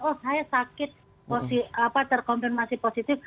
oh saya sakit terkonfirmasi positif